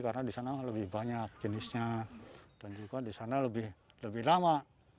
karena di sana lebih banyak jenisnya dan juga di sana lebih lama